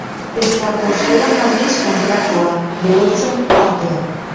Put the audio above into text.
Estratosferan aldiz, kontrakoa: berotzen joatea.